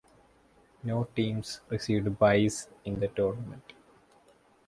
No teams received byes in the tournament.